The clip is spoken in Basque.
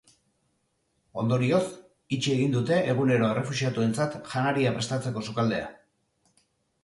Ondorioz, itxi egin dute egunero errefuxiatuentzat janaria prestatzeko sukaldea.